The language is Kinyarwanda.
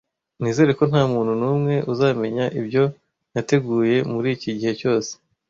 Nizere ko ntamuntu numwe uzamenya ibyo nateguye muriki gihe cyose.